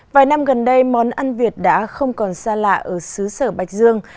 vài năm gần đây món ăn việt đã không còn xa lạ ở xứ sở bạch dương